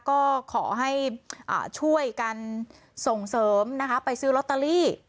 ก็ขอให้ช่วยกันส่งเสริมนะคะไปซื้อลอตเตอรี่